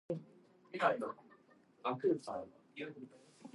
The series starred James Franciscus as insurance investigator Mike Longstreet.